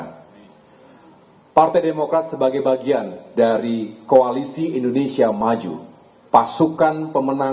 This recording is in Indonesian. kami keluarga besar partai demokrat di seluruh tanah air di pusat di provinsi kabupaten kota hingga seluruh kader di akar rumput tentunya mendoakan